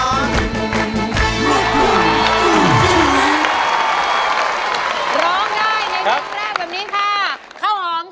ร้องได้ให้ร้อง